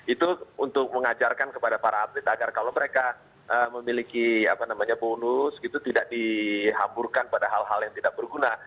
itu untuk mengajarkan kepada para atlet agar kalau mereka memiliki bonus gitu tidak dihamburkan pada hal hal yang tidak berguna